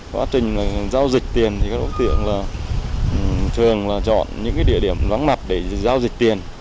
quá trình giao dịch tiền thì các đối tượng là thường chọn những địa điểm vắng mặt để giao dịch tiền